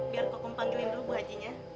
biar kukumpangin dulu bu haji